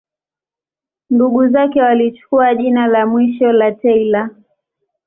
Ndugu zake walichukua jina la mwisho la Taylor.